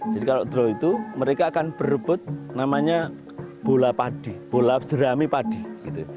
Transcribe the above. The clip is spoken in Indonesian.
jadi kalau dro itu mereka akan berebut namanya bola padih bola jerami padih gitu